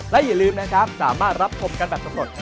และอย่าลืมนะครับสามารถรับชมกันแบบสำรวจ